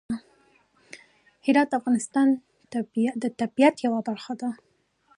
هرات د افغانستان د طبیعت یوه برخه ده.